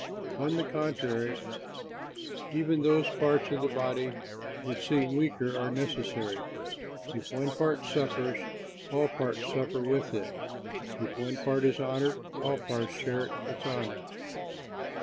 On the contrary, even those parts of the body which seem weaker are necessary. If one part suffers, all parts suffer with it. If one part is honored, all the parts share its honor.